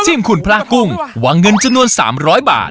จิ้มขุนพลากุ้งวางเงินจุดนวน๓๐๐บาท